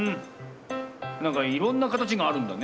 なんかいろんなかたちがあるんだね。